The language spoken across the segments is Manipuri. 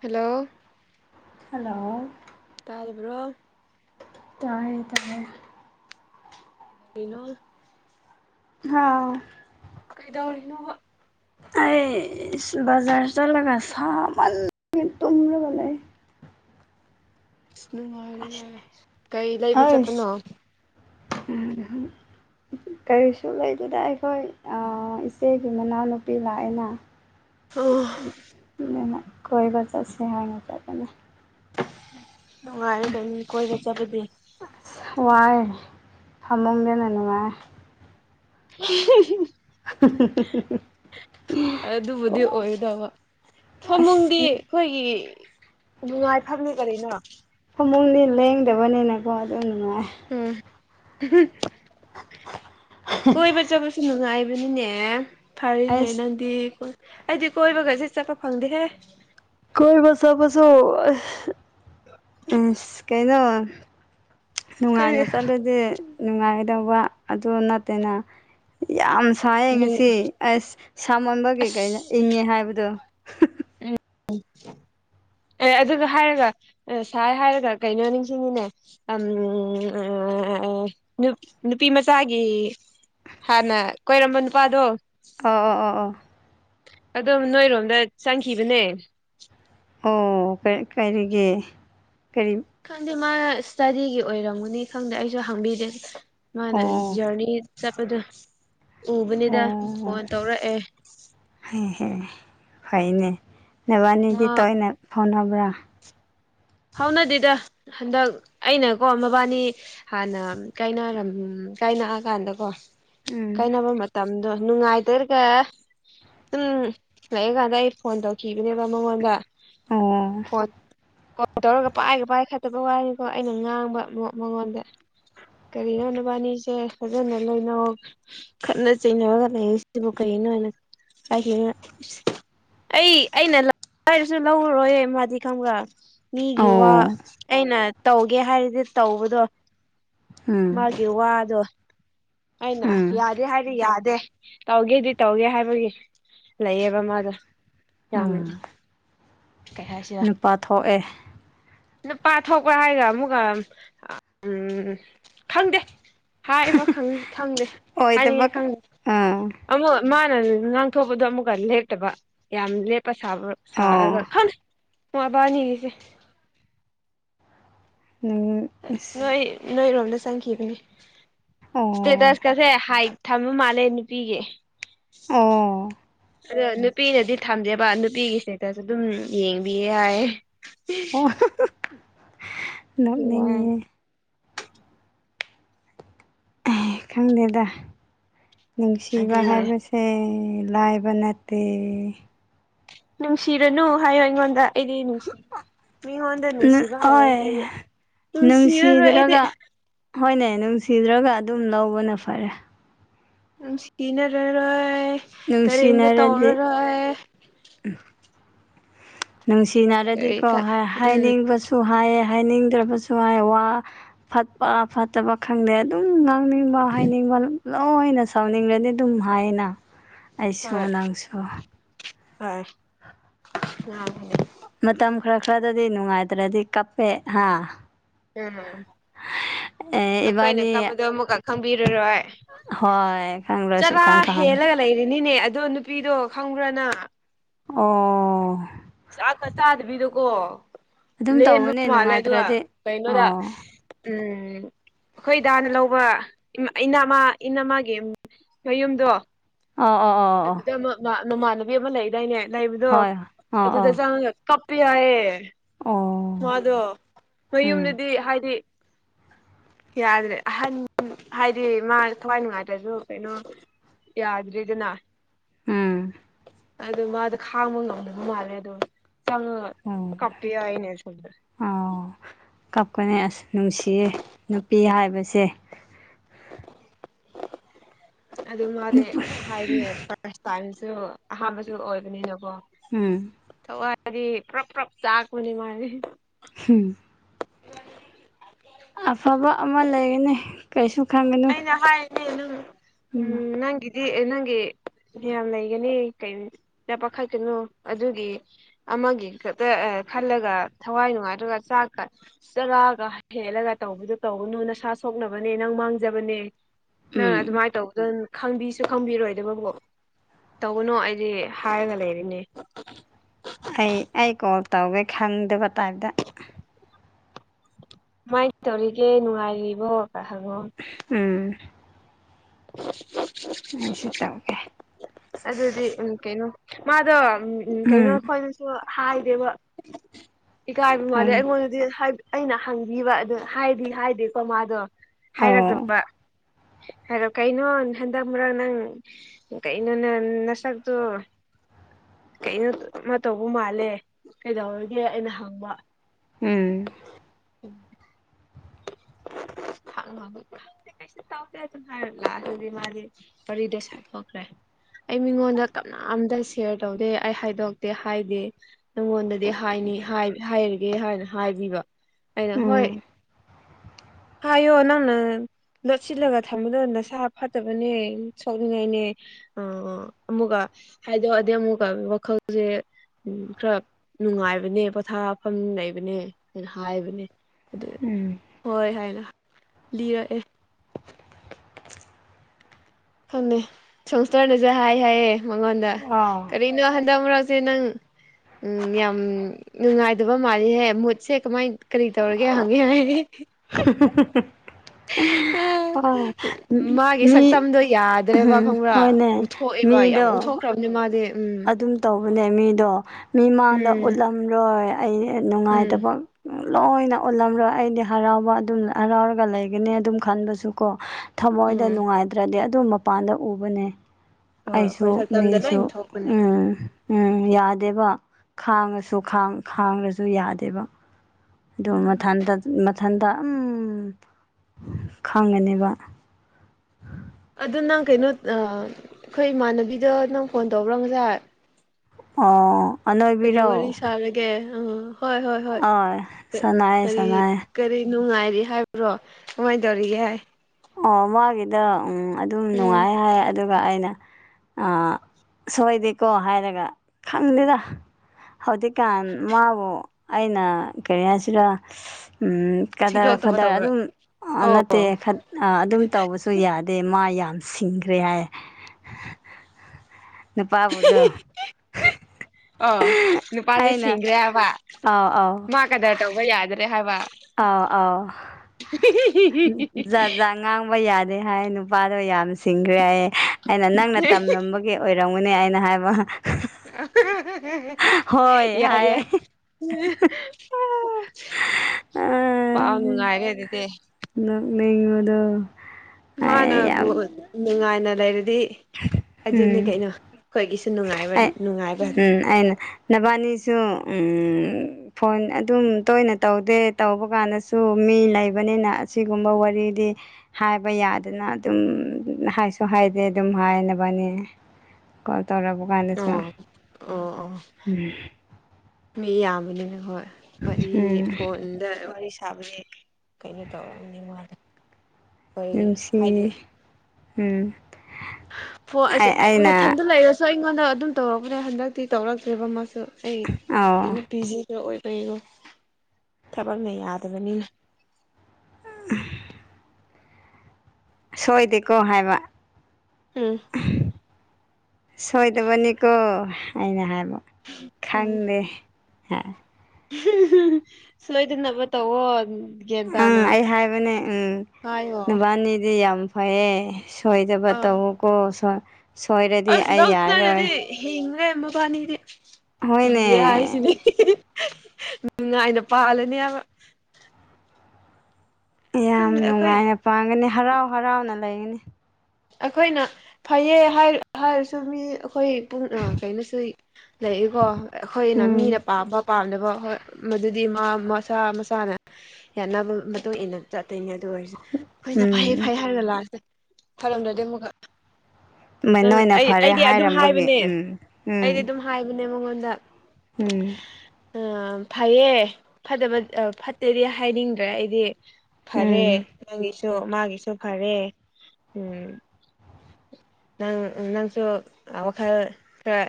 ꯍꯂꯣ ꯍꯜꯂꯣ ꯇꯥꯔꯤꯕꯣ ꯇꯔꯔꯤꯇꯥꯔꯦ ꯀꯩꯅꯣꯜ ꯍꯥꯎ ꯏꯅꯣ ꯋꯥ ꯑꯩ ꯖꯥ ꯆꯂꯒꯒ ꯆꯃꯥꯟ ꯇ ꯂꯒ ꯂꯩ ꯅꯨꯡꯉꯥꯏꯔ ꯀꯩ ꯂꯩꯕ ꯑꯩꯁ ꯆꯠꯄꯅꯣ ꯎ [unintelligible] [inaudible] ꯀꯔꯤꯁꯨ ꯂꯩꯗꯨꯗ ꯑꯩꯈꯣꯏ ꯏꯆꯦꯒꯤ ꯃꯅꯥꯎꯅꯨꯄꯤ ꯂꯥꯛꯑꯦꯅ ꯀꯣꯏ ꯃꯆꯥꯁꯤꯦ ꯍ ꯉꯆ ꯀ ꯅꯨꯡꯉꯥꯏꯔꯤ ꯀꯅꯤ ꯀꯣꯏꯒ ꯆꯕꯗꯤ ꯐꯃꯨꯡꯒꯅꯅꯨꯡ [unintelligible] [inaudible] [unintelligible] [inaudible] ꯑꯗꯨꯕꯨꯗꯤ ꯑꯣꯏꯗꯕ ꯐꯃꯨꯡꯗꯤ ꯑꯁ ꯑꯩꯈꯣꯏꯒꯤ ꯅꯨꯡꯉꯥꯏ ꯐꯕꯅꯤ ꯀꯔꯤꯅꯣ ꯏꯃꯨꯡꯗꯤ ꯂꯦꯡꯗꯕꯅꯤꯅꯀꯣ ꯑꯗꯨ ꯅꯨꯡꯉꯥꯏ ꯎ [unintelligible] [inaudible] ꯀꯣꯏꯕ ꯆꯠꯄꯁꯨ ꯅꯨꯡꯉꯥꯏꯕꯅꯤꯅꯦ ꯐꯔꯤꯅꯦ ꯑꯁ ꯅꯪꯗꯤ ꯑꯩꯗꯤ ꯀꯣꯏꯕꯒꯁ ꯆꯠꯄ ꯐꯪꯗꯦꯍꯦ ꯀꯣꯏꯕꯁꯕꯁꯨꯣ ꯎꯝ ꯀꯩꯅꯣ ꯀꯔꯤ ꯅꯨꯡꯉꯥꯏꯅ ꯆꯠꯂꯨꯗꯤ ꯅꯨꯡꯉꯥꯏꯒꯗꯧꯕ ꯑꯗꯨ ꯅꯠꯇꯅ ꯌꯥꯝ ꯁꯥꯏꯌꯦ ꯎꯝ ꯉꯁꯤ ꯑꯁ ꯁꯥꯣꯟꯕꯒꯤ ꯀꯩꯅ ꯑꯁ ꯏꯪꯉꯦ ꯍꯥꯏꯕꯗꯣ ꯍ [unintelligible] [inaudible] ꯑꯦ ꯑꯗꯨꯒ ꯍꯥꯏꯔꯒ ꯁꯥꯏ ꯍꯥꯏꯔꯒ ꯀꯩꯅꯣ ꯅꯤꯡꯁꯤꯡꯅꯤꯅꯦ ꯑ ꯅꯨꯄꯤꯃꯆꯥꯒꯤ ꯍꯥꯟꯅ ꯀꯣꯏꯔꯝꯕ ꯅꯨꯄꯥꯗꯣ ꯑꯣ ꯑꯣ ꯑꯣ ꯑꯣ ꯑꯗꯨꯝ ꯅꯣꯏꯔꯣꯝꯗ ꯆꯪꯈꯤꯕꯅꯦ ꯑꯣ ꯀꯔꯤꯔꯤꯒꯦ ꯀꯔꯤ ꯈꯪꯗꯦ ꯃꯥ ꯏꯁꯇꯗꯤꯒꯤ ꯑꯣꯏꯔꯝꯃꯨꯅꯤ ꯈꯪꯗꯦ ꯑꯩꯁꯨ ꯍꯪꯕꯤꯗꯦ ꯃꯥꯅ ꯑꯣ ꯖꯔꯅꯤ ꯆꯠꯄꯗꯣ ꯎꯕꯅꯤꯗ ꯑꯣ ꯐꯣꯟ ꯇꯧꯔꯛꯑꯦ ꯑꯦ ꯐꯩꯅꯦ ꯃꯥ ꯅꯕꯥꯅꯤꯗꯤ ꯇꯣꯏꯅ ꯐꯥꯎꯅꯕ꯭ꯔꯥ ꯍꯥꯎꯅꯗꯤꯗ ꯍꯟꯗꯛ ꯑꯩꯅꯀꯣ ꯃꯕꯥꯅꯤ ꯍꯥꯟꯅ ꯀꯥꯏꯅꯔꯝ ꯀꯥꯏꯅꯛꯑꯀꯥꯟꯗꯀꯣ ꯎꯝ ꯀꯥꯏꯅꯕ ꯃꯇꯝꯗꯣ ꯅꯨꯡꯉꯥꯏꯗ꯭ꯔꯒ ꯁꯨꯝ ꯂꯑꯀꯥꯟꯗ ꯑꯩ ꯐꯣꯟ ꯇꯧꯈꯤꯕꯅꯦꯕ ꯃꯉꯣꯟꯗ ꯑꯣ ꯍꯣꯠ [unintelligible] [inaudible] ꯇꯧꯔꯒ ꯄꯥꯏꯒ ꯄꯥꯏ ꯈꯠꯇꯕ ꯋꯥꯅꯤꯀꯣ ꯑꯩꯅ ꯉꯥꯡꯕ ꯃꯉꯣꯟꯗ ꯀꯔꯤꯅꯣ ꯅꯨꯕꯥꯅꯤꯁꯦ ꯐꯖꯅ ꯂꯩꯅꯧ ꯈꯠꯅ ꯆꯩꯅꯔꯒ ꯂꯩ ꯁꯤꯕꯨ ꯀꯅꯣ ꯏꯅ ꯀ [inaudible] ꯑꯩ ꯑꯩꯅꯔꯁꯨ ꯂꯧꯔꯔꯣꯏ ꯃꯥꯗꯤ ꯀꯒꯥ ꯃꯤꯒꯤ ꯋꯥ ꯑꯣ ꯑꯩꯅ ꯇꯧꯒꯦ ꯍꯥꯏꯔꯗꯤ ꯇꯧꯕꯗꯣ ꯎꯝ ꯃꯥꯒꯤꯦ ꯋꯥ ꯋꯥ ꯑꯗꯣ ꯑꯩꯅ ꯎꯝ ꯌꯥꯔꯦ ꯍꯥꯏꯗꯤ ꯌꯥꯗꯦ ꯇꯧꯒꯦꯗꯤ ꯇꯧꯒꯦ ꯍꯥꯏꯕꯒꯤ ꯂꯩꯌꯦꯕ ꯃꯥꯗꯣ ꯌꯥꯝ ꯎꯝ ꯀꯩ ꯍꯥꯏꯁꯤꯔ ꯅꯨꯄꯥ ꯊꯣꯛꯑꯦ ꯅꯨꯄꯥ ꯊꯣꯛꯄ꯭ꯔꯥ ꯍꯥꯏꯒ ꯑꯃꯨꯛꯀ ꯎꯝ ꯈꯪꯗꯦ ꯍꯥꯏꯕ ꯈꯪꯗꯦ ꯑꯣꯏꯗꯕ ꯍꯥꯏꯅꯤꯡꯉꯦ ꯈꯪꯗꯦ ꯑꯥ ꯑꯃ ꯉꯥꯡꯊꯣꯛꯄꯗꯣ ꯑꯃꯨꯛꯀ ꯂꯦꯞꯇꯕ ꯌꯥꯝ ꯂꯦꯞꯄꯕ ꯁꯥꯔꯒ ꯑꯣ ꯈꯉ ꯋꯥ ꯑꯕꯥꯅꯤꯉꯁꯦ ꯎꯝ ꯅꯣꯏ ꯅꯣꯏꯔꯣꯝꯗ ꯆꯪꯈꯤꯕꯅꯤ ꯑꯣ ꯏꯁꯇꯦꯇꯁꯀꯁꯦ ꯍꯥꯏ ꯊꯝꯕ ꯃꯥꯜꯂꯦ ꯅꯨꯄꯤꯒꯤ ꯑꯣ ꯑꯗꯣ ꯅꯨꯄꯤꯅꯗꯤ ꯊꯝꯖꯦꯕ ꯅꯨꯄꯤꯒꯤ ꯁꯦꯛꯇꯁꯨ ꯑꯗꯨꯝ ꯌꯦꯡꯕꯤꯌꯦ ꯌꯥꯏ ꯅꯅꯦꯉ ꯕꯦꯔꯥꯅꯤ ꯈꯪꯗꯦꯗ ꯅꯨꯡꯁꯤꯕ ꯑꯗꯨꯅꯦ ꯍꯥꯏꯕꯁꯦ ꯂꯥꯏꯕꯅꯦꯇꯦ ꯅꯨꯡꯁꯤꯔꯅꯨ ꯍꯥꯏꯌꯣ ꯑꯩꯉꯣꯟꯗ ꯑꯩꯗꯤ ꯅꯨꯡꯁꯤꯔ ꯑꯣꯣꯏ ꯅꯨꯡꯁꯤꯔꯔꯣꯏ ꯑꯩꯗꯤ ꯅꯨꯡꯁꯤꯗ꯭ꯔꯒ ꯍꯣꯏꯅꯦ ꯅꯨꯡꯁꯤꯗ꯭ꯔꯒ ꯑꯗꯨꯝ ꯂꯧꯕꯅ ꯐꯔꯦ ꯑꯗꯨꯝ ꯁꯤ ꯁꯤꯟꯅꯔꯔꯣꯏ ꯀꯔꯤꯝꯇ ꯅꯨꯡꯁꯤꯅꯔꯗꯤ ꯇꯧꯔꯔꯣꯏ ꯀꯔꯤ ꯅꯨꯡꯁꯤꯅꯔꯗꯤꯀꯣ ꯎꯝ ꯍꯥꯏꯅꯤꯡꯕꯁꯨ ꯍꯥꯏꯌꯦ ꯍꯥꯏꯅꯤꯡꯗ꯭ꯔꯕꯁꯨ ꯍꯥꯏ ꯋꯥ ꯐꯠꯄ ꯐꯠꯇꯕ ꯈꯪꯗꯦ ꯑꯗꯨꯝ ꯁꯥꯎꯅꯤꯡꯕ ꯍꯥꯏꯅꯤꯡꯕ ꯂꯣꯏꯅ ꯁꯥꯎꯅꯤꯡꯂꯗꯤ ꯑꯗꯨꯝ ꯍꯥꯏꯌꯦꯅ ꯑꯩꯁꯨ ꯅꯪꯁꯨ ꯍ ꯂ ꯃꯇꯝ ꯈꯔ ꯈꯔꯗꯗꯤ ꯅꯨꯡꯉꯥꯏꯇ꯭ꯔꯦꯗꯤ ꯀꯞꯄꯦ ꯍꯥ ꯎꯝ ꯑꯦ ꯑꯩꯈꯣꯏꯅ ꯏꯕꯥꯅꯤ ꯀꯥꯕꯗꯣ ꯑꯃꯨꯛꯀ ꯈꯪꯕꯤꯔꯔꯣꯏ ꯍꯣꯏ ꯈꯪꯂꯣꯏ ꯆꯂꯥ ꯁꯨꯛꯈꯪ ꯈꯪꯂꯣꯏ ꯍꯦꯜꯂꯒ ꯂꯩꯔꯤꯅꯤꯅꯦ ꯑꯗꯣ ꯅꯨꯄꯤꯗꯣ ꯈꯪꯕ꯭ꯔꯅ ꯑꯣ ꯆꯥꯛꯀ ꯆꯥꯗꯕꯤꯗꯣꯀꯣ ꯑꯗꯨꯝ ꯂꯩ ꯑꯗꯨ ꯇꯧꯕꯅꯦ ꯃꯥꯜꯂꯦ ꯑꯗꯨꯒ ꯅꯨꯡꯉꯥꯏꯇ꯭ꯔꯗꯤ ꯀꯩꯅꯣꯗ ꯑꯣ ꯎꯝ ꯎ ꯑꯩꯈꯣꯏꯗꯥꯅ ꯂꯧꯕ ꯏꯩꯅꯃ ꯏꯟ ꯑꯃꯒꯤꯒꯤ ꯃꯌꯨꯝꯗꯣ ꯑꯣ ꯑꯣ ꯑꯣ ꯑꯣ ꯑꯗꯨꯗ ꯑꯃ ꯅꯃꯥꯟꯅꯕꯤ ꯑꯃ ꯂꯩꯗꯥꯏꯅꯦ ꯂꯩꯕꯗꯣ ꯍꯣꯏ ꯑꯣ ꯑꯗꯨꯗ ꯑꯣ ꯆꯪꯉꯒꯞ ꯌꯥꯏꯑꯌꯦꯦ ꯑꯣ ꯃꯥꯗꯣ ꯎꯝ ꯃꯣꯏꯌꯨꯝꯗꯗꯤ ꯍꯥꯏꯗꯤ [unintelligible] ꯌꯥꯗ꯭ꯔꯦ ꯍꯥꯏꯗꯤ ꯃꯥ ꯊꯋꯥꯏ ꯅꯨꯡꯉꯥꯏꯇ꯭ꯔꯁꯨ ꯀꯩꯅꯣ ꯌꯥꯗ꯭ꯔꯤꯗꯅ ꯎꯝ ꯑꯗꯨ ꯃꯥꯗꯣ ꯈꯥꯡꯕ ꯉꯝꯅꯕ ꯃꯥꯜꯂꯦ ꯑꯗꯣ ꯆꯪ ꯑꯣ ꯀꯞꯄꯤꯤꯏꯅꯦ ꯁꯨꯗꯔ ꯀꯥꯞꯀꯅꯤ ꯑꯁ ꯅꯨꯡꯁꯤꯌꯦ ꯅꯨꯄꯤ ꯍꯥꯏꯕꯁꯦ ꯑꯗꯨ ꯃꯥꯗꯤ ꯍꯥꯏꯗꯤ ꯄꯁꯇꯁꯨ ꯑꯍꯥꯟꯕꯁꯨ ꯑꯣꯏꯕꯅꯤꯅꯀꯣ ꯎꯝ ꯑꯔꯤ ꯄ꯭ꯔ ꯔ꯭ꯔꯞ ꯆꯥꯀ ꯃꯅꯤ ꯃꯥꯔꯤ ꯍꯝ ꯑꯐꯕ ꯑꯃ ꯂꯩꯒꯅꯤ ꯀꯩꯁꯨ ꯈꯟꯒꯅꯨ ꯑꯩꯅ ꯍꯥꯏꯅꯦ ꯅꯪ ꯎꯝ ꯅꯪꯒꯤꯗꯤ ꯅꯪꯒꯤ ꯌꯥꯝ ꯂꯩꯒꯅꯤ ꯀꯅ ꯄꯥꯈꯠꯀꯅꯣ ꯑꯗꯨꯒꯤ ꯑꯃꯒꯤ ꯈꯛꯇ ꯈꯜꯂꯒ ꯊꯋꯥꯏ ꯅꯨꯡꯉꯥꯏꯔꯒ ꯆꯥꯛꯀ ꯆꯔꯥꯒ ꯍꯦꯜꯂꯒ ꯇꯧꯕꯤꯗꯨꯣ ꯇꯧꯒꯨꯅꯨ ꯅꯁꯥ ꯁꯣꯛꯅꯕꯅꯦ ꯅꯪ ꯃꯥꯡꯖꯕꯅꯦ ꯅꯪ ꯎꯝ ꯑꯗꯨꯃꯥꯏꯅ ꯇꯧꯕꯗ ꯈꯪꯕꯤꯁꯨ ꯈꯪꯕꯤꯔꯣꯏꯗꯕꯕꯣ ꯇꯧꯒꯅꯨ ꯑꯩꯗꯤ ꯍꯥꯏꯔꯒ ꯂꯩꯔꯤꯅꯦ ꯑꯩ ꯑꯩ ꯀꯣꯜ ꯇꯧꯒꯦ ꯈꯪꯗꯕ ꯇꯥꯏꯕꯗ ꯃꯥꯏ ꯊꯧꯔꯤꯒꯦ ꯅꯨꯡꯉꯥꯏꯔꯤꯕ ꯀ ꯍꯒꯣ ꯎꯝ [unintelligible] ꯑꯩ ꯁꯤ ꯇꯒꯦ ꯑꯗꯨꯗꯤ ꯎꯝ ꯀꯩꯅꯣ ꯃꯥꯗꯣ ꯎ ꯀꯩꯅꯣ ꯎꯝ ꯑꯩꯈꯣꯏꯅꯁꯨ ꯍꯥꯏꯗꯦꯕ ꯏꯀꯥꯏꯕ ꯃꯥꯜꯂꯦ ꯎꯝ ꯑꯩꯉꯣꯟꯗꯗꯤ ꯑꯩꯅ ꯍꯪꯕꯤꯕ ꯑꯗꯨ ꯍꯥꯏꯗꯤ ꯍꯥꯏꯗꯦꯀꯣ ꯃꯥꯗꯣ ꯑꯣ ꯍꯥꯏꯔꯛꯇꯕ ꯍꯥꯏꯂꯣ ꯀꯩꯅꯣ ꯍꯟꯗꯛ ꯃꯔꯛ ꯅꯪ ꯀꯩꯅꯣ ꯅꯪ ꯅꯁꯛꯇꯣ ꯀꯩꯅꯣ ꯃꯇ ꯇꯧꯕ ꯃꯥꯜꯂꯦ ꯀꯩꯗꯧꯔꯒꯦ ꯑꯩꯅ ꯍꯪꯕ ꯎꯝ ꯎꯝ [inaudible] ꯀꯩꯁꯨ ꯇꯥꯎꯗꯦ ꯑꯗꯨꯝ ꯍꯥꯏꯔ ꯂ ꯑꯗꯨꯗꯤ ꯃꯥꯗꯤ ꯋꯥꯔꯤꯗ ꯁꯥꯊꯣꯛꯈ꯭ꯔꯦ ꯑꯩ ꯃꯤꯉꯣꯟꯗ ꯀꯅꯥꯝꯇ ꯁꯦꯌꯔ ꯇꯧꯗꯦ ꯑꯩ ꯍꯥꯏꯗꯣꯛꯇꯦ ꯍꯥꯏꯗꯦ ꯅꯪꯉꯣꯟꯗꯗꯤ ꯍꯥꯏꯅꯤ ꯍꯥꯏꯔꯒꯦ ꯍꯥꯏꯅ ꯍꯥꯏꯕꯤꯕ ꯑꯩꯅ ꯍꯣꯏ ꯎꯝ ꯍꯥꯏꯌꯣ ꯅꯪꯅ ꯂꯣꯠꯁꯤꯜꯂꯒ ꯊꯝꯕꯗ ꯅꯁꯥ ꯐꯠꯇꯕꯅꯦ ꯁꯣꯛꯅꯤꯡꯉꯥꯏꯅꯦ ꯑꯥ ꯑꯃꯨꯛꯀꯥ ꯍꯥꯏꯥꯏꯗ ꯋꯥꯗ ꯑꯃꯨꯛ ꯋꯥꯈꯜ ꯎꯝ ꯈꯔ ꯅꯨꯡꯉꯥꯏꯕꯅꯦ ꯄꯣꯊꯥꯐꯝ ꯂꯩꯕꯅꯦ ꯍꯥꯏꯅ ꯍꯥꯏꯕꯅꯦ ꯎꯝ ꯂꯤꯔ ꯑꯦ ꯈꯪꯅꯤ ꯁꯪꯁꯇꯔꯅꯁꯨ ꯍꯥꯏ ꯍꯥꯏꯌꯦ ꯃꯉꯣꯟꯗ ꯑꯥ ꯀꯔꯤꯅꯣ ꯍꯟꯗꯛ ꯃꯔꯣ ꯄꯖꯅꯪ ꯎꯝ ꯌꯥꯝ ꯅꯨꯡꯉꯥꯏꯗꯕ ꯃꯥꯜꯂꯤꯍꯦ ꯃꯨꯠꯁꯦ ꯀꯃꯥꯏ ꯀꯔꯤ ꯇꯧꯔꯒꯦ ꯍꯪꯉꯦ ꯍꯥꯏ [inaudible] ꯃꯥꯒꯤ ꯃꯤ ꯁꯛꯇꯝꯗꯣ ꯎ ꯌꯥꯗ꯭ꯔꯦꯕ ꯈꯪꯕ꯭ꯔꯥ ꯍꯅꯦ ꯃꯤ ꯎꯠꯊꯣꯛꯑꯦꯕ ꯌꯥꯝ ꯎꯟꯠꯊꯣꯛꯈ꯭ꯔꯕꯅꯤ ꯃꯥꯗꯤ ꯎꯝ ꯑꯗꯨꯝ ꯇꯧꯕꯅꯦ ꯃꯤꯗꯣ ꯃꯤ ꯃꯥꯡꯗ ꯎꯝ ꯎꯠꯂꯝꯔꯣꯏ ꯑꯩ ꯎꯝ ꯅꯨꯡꯉꯥꯏꯇꯕ ꯂꯣꯏꯅ ꯎꯜꯂꯝꯔꯣꯏ ꯑꯩꯗꯤ ꯍꯔꯥꯎꯕ ꯑꯗꯨꯝ ꯍꯔꯥꯎꯔꯒ ꯂꯩꯒꯅꯤ ꯑꯗꯨꯝ ꯈꯟꯕꯁꯨ ꯀꯣ ꯊꯃꯣꯏꯗ ꯎꯝ ꯅꯨꯡꯉꯥꯏꯇ꯭ꯔꯗꯤ ꯑꯗꯨ ꯃꯄꯥꯟꯗ ꯎꯕꯅꯦ ꯍꯣꯏ ꯑꯩꯁꯨ ꯑꯩꯈꯣꯏ ꯁꯛꯇꯝꯗ ꯂꯣꯏ ꯃꯤꯁꯨ ꯊꯣꯛꯄꯅꯦ ꯎꯝ ꯎꯝ ꯌꯥꯗꯦꯕ ꯈꯥꯡꯉꯁꯨꯥꯡ ꯈꯥꯡꯉꯁꯨ ꯌꯥꯗꯦꯕ ꯑꯗꯨ ꯃꯊꯟꯗ ꯃꯊꯟꯇꯝ ꯈꯪꯉꯅꯦꯕ ꯑꯗꯨ ꯅꯪ ꯀꯩꯅꯣ ꯑꯩꯈꯣꯏ ꯏꯃꯥꯟꯅꯕꯤꯗ ꯅꯪ ꯐꯣꯟ ꯇꯧꯕ꯭ꯔꯣ ꯉꯁꯥꯏ ꯑꯣ ꯀꯔꯤ ꯋꯥꯔꯤ ꯑꯅꯣꯏꯕꯤꯔꯣ ꯁꯥꯔꯒꯦ ꯑꯥ ꯍꯣꯏ ꯍꯣꯏ ꯍꯣꯏ ꯁꯥꯟꯅꯩ ꯀꯔꯤ ꯁꯥꯟꯅꯩ ꯀꯔꯤ ꯅꯨꯡꯉꯥꯏ ꯍꯥꯏꯕ꯭ꯔꯣ ꯀꯃꯥꯏꯅ ꯇꯧꯔꯤꯒꯦ ꯍꯥꯏ ꯑꯣ ꯃꯥꯒꯤꯗ ꯎꯝ ꯑꯗꯨꯝ ꯎꯝ ꯅꯨꯡꯉꯥꯏ ꯍꯥꯏ ꯑꯗꯨꯒ ꯑꯩꯅ ꯁꯣꯏꯗꯦꯀꯣ ꯍꯥꯏꯔꯒ ꯈꯪꯗꯦꯔ ꯍꯧꯖꯤꯛꯀꯥꯟ ꯃꯥꯕꯨ ꯑꯩꯅ ꯀꯔꯤ ꯍꯥꯏꯁꯤꯔ ꯀꯗꯔ ꯊꯤꯗꯣꯛꯇꯕ ꯐꯗꯔ ꯇꯧꯕ꯭ꯔꯥ ꯑꯗꯨꯝ ꯅꯠꯇꯦ ꯑꯣ ꯑꯗꯨꯝ ꯇꯧꯕꯁꯨ ꯌꯥꯗꯦ ꯃꯥ ꯌꯥꯝ ꯁꯤꯡꯈ꯭ꯔꯦ ꯍꯥꯏ ꯅꯨꯄꯥꯕꯨꯗꯣ ꯑꯣ ꯅꯨꯄꯥꯁꯦ ꯑꯩꯅ ꯁꯤꯡꯈ꯭ꯔꯦꯕ ꯑꯥꯎ ꯑꯥꯎ ꯃꯥ ꯀꯗꯔ ꯇꯧꯕ ꯌꯥꯗ ꯇꯦ ꯍꯥꯏꯕ ꯑꯥꯎ ꯑꯥꯎ ꯖ ꯉꯥꯡꯕ ꯌꯥꯗ ꯍꯥꯏ ꯅꯨꯄꯥ ꯌꯥꯝꯈ꯭ꯔ ꯑ ꯅ ꯑꯣꯏ ꯑꯣꯏꯔꯝꯒꯨꯅꯦ ꯑꯩꯅ ꯍꯥꯏꯕ ꯍꯣꯏ ꯌꯥꯏ ꯌꯥꯏ ꯍꯥꯏꯌꯦ ꯄꯥꯎ ꯅꯨꯡꯉꯥꯏꯔꯦ ꯑꯗꯨꯗꯤ ꯂꯩꯉꯣꯟꯗ ꯃꯥꯅꯕꯨ ꯅꯨꯡꯉꯥꯏꯅ ꯂꯩꯔꯗꯤ ꯑꯗꯨꯅꯤ ꯎꯝ ꯀꯩꯅꯣ ꯑꯩꯈꯣꯏꯒꯤꯁꯨ ꯅꯨꯡꯉꯥꯏꯕ ꯑꯩ ꯅꯨꯡꯉꯥꯏꯕ ꯎꯝ ꯑꯩꯅ ꯅꯕꯥꯅꯤꯁꯨ ꯐꯣꯟ ꯑꯗꯨꯝ ꯇꯣꯏꯅ ꯇꯧꯗꯦ ꯇꯧꯕ ꯀꯥꯟꯗꯁꯨ ꯃꯤ ꯂꯩꯕ ꯅꯤꯅꯥ ꯑꯁꯤꯒꯨꯝꯕ ꯋꯥꯔꯤꯗꯤ ꯍꯥꯏꯕ ꯌꯥꯗꯅ ꯑꯗꯨꯝ ꯍꯥꯏꯁꯨ ꯍꯥꯏꯗꯦ ꯑꯗꯨꯝ ꯍꯥꯏꯅꯕꯅꯤ ꯀꯣ ꯇꯔꯕꯨ ꯀꯥꯏ ꯂꯩꯁꯨ ꯎ ꯑꯣ ꯑꯣ ꯑꯣ ꯃꯤ ꯌꯥꯝꯕꯅꯤꯅ ꯍꯣꯏ ꯋꯥꯔꯤ ꯎꯝ ꯐꯣꯟꯗ ꯋꯥꯔꯤ ꯁ ꯊꯥꯕꯁꯦ ꯀꯩꯅꯣ ꯇꯧꯔꯑꯅꯤ ꯃꯥꯜꯂꯦ ꯑꯩꯣꯏ ꯍꯥꯏꯗꯤ ꯅꯨꯡꯁꯤ ꯎꯝ ꯍ ꯑꯩꯁ ꯑꯩꯅ ꯃꯊꯟꯇ ꯂꯩꯔꯁꯨ ꯑꯩꯉꯣꯟꯗ ꯑꯗꯨꯝ ꯇꯧꯔꯛꯄꯅꯦ ꯍꯟꯗꯛꯇꯤ ꯇꯧꯔꯛꯇ꯭ꯔꯦꯕ ꯃꯥꯁꯨ ꯑꯩ ꯑꯧ ꯏꯩꯅ ꯄꯤꯖꯤ ꯑꯣꯏꯕꯩꯔꯣ ꯊꯕꯛꯅ ꯌꯥꯗꯕꯅꯤꯅ ꯎ ꯁꯣꯏꯗꯦꯀꯣ ꯍꯥꯏꯕ ꯎꯝ ꯁꯣꯏꯗꯕꯅꯤꯀꯣ ꯑꯩꯅ ꯍꯥꯏꯕ ꯈꯪꯗꯦ ꯍꯥ ꯁꯂꯣꯏꯗꯅꯕ ꯇꯧꯕꯣ ꯎꯝ ꯑꯩ ꯍꯥꯏꯕꯅꯦ ꯎꯝ ꯍꯥꯏꯌꯣ ꯅꯨꯕꯥꯅꯤꯗꯤ ꯌꯥꯝ ꯍꯣꯏꯑꯦ ꯁꯣꯏꯗꯕ ꯑꯥ ꯇꯧꯎꯀꯣ ꯑꯁ ꯂꯧꯗꯔꯦꯗꯤ ꯍꯤꯡꯈꯦ ꯃꯕꯥꯅꯤꯗꯤ ꯍꯣꯏꯅꯦ ꯦ ꯍꯥꯏꯁꯤꯅꯦ ꯅꯨꯡꯉꯥꯏꯅ ꯄꯥꯂꯅꯦꯕ ꯌꯥꯝ ꯅꯨꯡꯉꯥꯏꯅ ꯄꯥꯡꯒꯅꯤ ꯍꯔꯥꯎ ꯍꯔꯥꯎꯅ ꯂꯩꯒꯅꯤ ꯑꯩꯈꯣꯏꯅ ꯐꯩꯌꯦ ꯍꯥꯏꯔꯁꯨ ꯃꯤ ꯑꯩꯈꯣꯏ ꯄꯨꯨꯡ ꯀꯩꯅꯣꯁꯨ ꯂꯩꯀꯣ ꯑꯩꯈꯣꯏꯅ ꯃꯤꯅ ꯎꯝ ꯄꯥꯝꯕ ꯄꯥꯝꯅꯕ ꯍꯣꯏ ꯃꯗꯨ ꯃꯁꯥ ꯃꯁꯥꯅ ꯌꯥꯅꯕ ꯃꯇꯨꯡ ꯃꯇꯨꯡꯏꯟꯅ ꯆꯥꯠꯇꯅꯤ ꯑꯗꯨ ꯑꯣꯏꯔꯁꯦ ꯑꯩꯈꯣꯏꯅ ꯐꯩꯌꯦ ꯎꯝ ꯐꯩ ꯍꯥꯏꯔꯒ ꯂꯥꯛꯑꯁꯦ ꯐꯔꯝꯗꯗꯤꯦ ꯑꯃꯨꯛꯒ ꯅꯪ ꯅꯣꯏꯅ ꯑꯩ ꯐꯔꯦ ꯑꯩꯗꯤ ꯑꯗꯨꯝ ꯍꯥꯏꯔꯝꯕꯒꯤ ꯍꯥꯏꯕꯅꯦ ꯎꯝ ꯑꯩꯗꯤ ꯎꯝ ꯑꯗꯨꯝ ꯍꯥꯏꯕꯅꯦ ꯃꯉꯣꯟꯗ ꯎꯝ ꯎꯝ ꯐꯩꯌꯦꯦ ꯐꯠꯇꯕ ꯐꯠꯇꯦꯗꯤ ꯍꯥꯏꯅꯤꯡꯗ꯭ꯔꯦ ꯑꯩꯗꯤ ꯐꯔꯦ ꯎꯝ ꯅꯪꯒꯤꯁꯨ ꯃꯥꯒꯤꯁꯨ ꯐꯔꯦ ꯎꯝ ꯅꯪ ꯅꯪꯁꯨ ꯋꯥꯈꯜ ꯈꯔ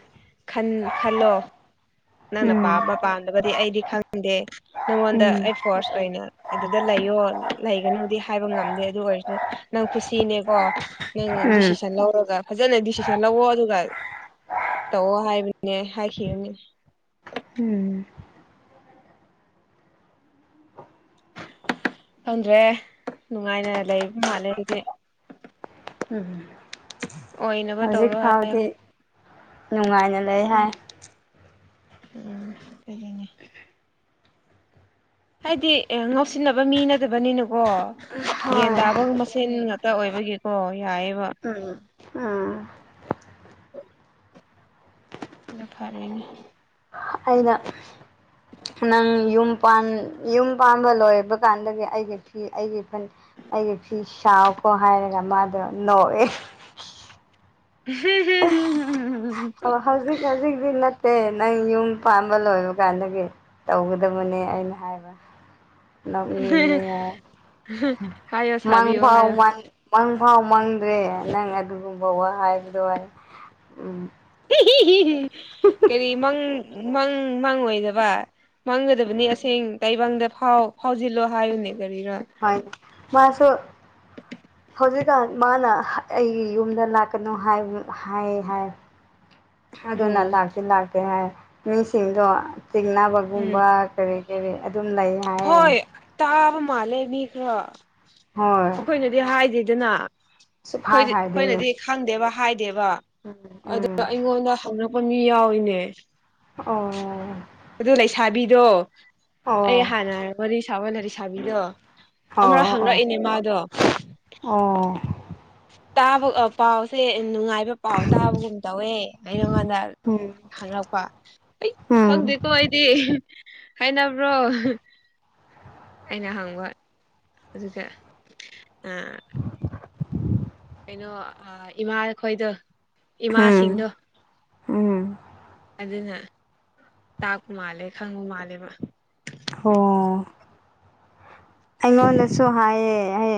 ꯈꯜꯂꯣ ꯅꯪꯅ ꯄꯥꯝꯕ ꯄꯥꯝꯗꯕꯗꯤ ꯑꯩꯗꯤ ꯈꯪꯗꯦ ꯎꯝ ꯎꯝ ꯅꯪꯉꯣꯟꯗ ꯑꯩ ꯎꯝ ꯐꯣꯔꯁ ꯑꯣꯏꯅ ꯑꯗꯨꯗ ꯂꯩꯌꯣ ꯂꯩꯒꯅꯨꯗꯤ ꯍꯥꯏꯕ ꯉꯝꯗꯦ ꯑꯗꯨ ꯑꯣꯏꯔꯁꯨ ꯅꯪ ꯈꯨꯁꯤꯅꯦꯀꯣ ꯅꯪꯪ ꯗꯤꯁꯤꯖꯟ ꯂꯧꯔꯒ ꯐꯖꯅ ꯗꯤꯁꯤꯟ ꯦ ꯂꯧꯑꯣꯣ ꯑꯗꯨꯒ ꯇꯧꯑꯣ ꯍꯥꯏꯕꯅꯦ ꯍꯥꯏꯅꯦ ꯎꯝ ꯐꯪꯗ꯭ꯔꯦ ꯅꯨꯡꯉꯥꯏꯅ ꯂꯩꯕ ꯃꯥꯜꯂꯦ ꯑꯗꯨꯗꯤ ꯎꯝ ꯑꯣꯏꯅꯕ ꯍꯧꯖꯤꯛ ꯇꯧꯔꯣ ꯍꯥꯏ ꯐꯥꯎꯗꯤ ꯅꯨꯡꯉꯥꯏꯅꯂꯦ ꯍꯥꯏ ꯎꯝꯒꯤꯅꯦ ꯍꯥꯏꯗꯤ ꯉꯥꯎꯁꯤꯟꯅꯕ ꯃꯤꯅꯗꯕꯅꯤꯅ ꯀꯣ ꯌꯦꯟ ꯍꯣꯏ ꯇꯥꯕꯒ ꯃꯦꯟ ꯉꯥꯛꯇ ꯑꯣꯏꯕꯒꯤꯀꯣ ꯌꯥꯏꯑꯕ ꯎꯝ ꯎꯝ ꯐꯔꯦꯅꯦ ꯑꯩꯅ ꯅꯪ ꯌꯨꯝ ꯌꯨꯝ ꯄꯥꯟꯕ ꯂꯣꯏꯕ ꯀꯥꯟꯗꯒꯤ ꯑꯩꯒꯤ ꯐꯤ ꯑꯩꯒꯤ ꯑꯩꯒꯤ ꯐꯤ ꯁꯥꯎꯀꯣ ꯍꯥꯏꯔꯒ ꯃꯥꯗꯣ ꯅꯧꯋꯦ ꯍ ꯑ ꯍꯧꯖꯤꯛ ꯍꯧꯖꯤꯛ ꯅ ꯑꯦꯦ ꯅꯪ ꯌꯨꯝ ꯄꯥꯝꯕ ꯂꯣꯏꯕ ꯀꯥꯟꯗꯒꯤ ꯇꯧꯒꯗꯕꯅꯦ ꯑꯩꯅ ꯍꯥꯏꯕ ꯍꯥꯏꯌꯣ ꯁꯥꯕꯤꯌꯣ ꯃꯥꯡꯐꯥꯎ ꯍꯥꯏꯌꯣ ꯃ ꯃ ꯄꯥꯎ ꯃꯪꯗ꯭ꯔꯦ ꯅꯪ ꯑꯗꯨꯒꯨꯝꯕ ꯋꯥ ꯍꯥꯏꯕꯗꯣ ꯍꯥꯏ ꯀꯔꯤ ꯃꯪ ꯃꯪ ꯃꯪꯉꯣꯏꯗꯕ ꯃꯥꯡꯒꯗꯕꯅꯤ ꯑꯁꯦꯡ ꯇꯥꯏꯕꯪꯗ ꯐꯥꯎ ꯐꯥꯎꯖꯤꯜꯂꯣ ꯍꯥꯏꯌꯨꯅꯦ ꯀꯔꯤꯔꯥ ꯍꯣꯏ ꯃ ꯍꯧꯖꯤꯛ ꯃꯥꯅ ꯑꯩꯒꯤ ꯌꯨꯝꯗ ꯂꯥꯛꯀꯅꯨ ꯍꯥꯏꯌꯦ ꯍꯥꯏ ꯑꯗꯨꯅ ꯎꯝ ꯂꯥꯛꯇꯤ ꯂꯥꯛꯇꯦ ꯍꯥꯏ ꯃꯤꯁꯤꯡꯗꯣ ꯎꯝ ꯆꯤꯡꯅꯕꯒꯨꯝꯕ ꯀꯔꯤ ꯀꯔꯤ ꯑꯗꯨꯝ ꯂꯩ ꯍꯣꯏ ꯍꯥꯏꯌꯦ ꯇꯥꯕ ꯃꯥꯜꯂꯦ ꯃꯤ ꯈꯔꯣ ꯍꯣꯏ ꯑꯩꯈꯣꯏꯅꯗꯤ ꯍꯥꯏꯗꯦꯗꯅ ꯁꯨꯛꯍꯥꯏ ꯣꯏꯗꯤ ꯍꯥꯏꯗꯦꯅꯦ ꯑꯩꯈꯣꯏꯅꯗꯤ ꯈꯪꯗꯦꯕ ꯍꯥꯏꯗꯦꯕ ꯑꯗꯨ ꯎꯝ ꯑꯩꯉꯣꯟꯗ ꯄ ꯃꯤ ꯌꯥꯎꯏꯅꯦ ꯑꯣ ꯑꯗꯨ ꯂꯩꯁꯥꯕꯤꯗꯣ ꯑꯣ ꯑꯩ ꯍꯥꯟꯅ ꯋꯥꯔꯤꯔꯤ ꯁꯥꯕ ꯑꯣꯏꯅ ꯂꯩꯁꯥꯕꯤꯗꯣ ꯑꯣ ꯑꯃꯔ ꯑꯣ ꯍꯪꯂꯛꯏꯅꯦ ꯃꯥꯗꯣ ꯑꯣ ꯇꯥꯕ ꯄꯥꯎꯁꯦ ꯅꯨꯡꯉꯥꯏꯕ ꯄꯥꯎ ꯇꯥꯕꯒꯨꯝ ꯇꯧꯋꯦ ꯑꯩꯩꯅꯉꯥꯟꯗ ꯎꯝ ꯍꯉꯛꯄ ꯑꯩ ꯎꯝ ꯈꯪꯗꯦꯀꯣ ꯑꯩꯗꯤ ꯍꯥꯏꯅꯕ꯭ꯔꯣ ꯑꯩꯅ ꯍꯪꯕ ꯑꯗꯨꯒ ꯀꯩꯅꯣ ꯏꯃꯥꯈꯣꯏꯗꯣ ꯎꯝ ꯏꯃꯥꯁꯤꯡꯗꯣ ꯎꯝ ꯑꯗꯨꯅ ꯇꯥꯛꯄ ꯃꯥꯜꯂꯦ ꯈꯪꯕ ꯃꯥꯜꯂꯦꯕ ꯑꯣ ꯑꯩꯉꯣꯟꯗꯁꯨ ꯍꯥꯏꯌꯦ